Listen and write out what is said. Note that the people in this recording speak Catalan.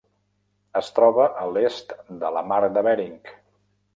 Es troba a l'est de la Mar de Bering.